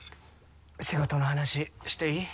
仕事の話していい？